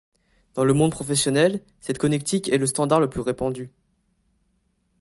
Dans le monde professionnel, cette connectique est le standard le plus répandu.